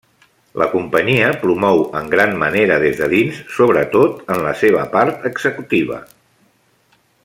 La companyia promou en gran manera des de dins, sobretot en la seva part executiva.